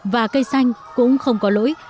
và cây xanh cũng không có lỗi